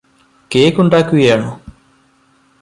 കേക്കുണ്ടാക്കുകയാണോ